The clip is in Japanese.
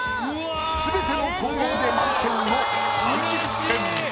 全ての項目で満点の３０点。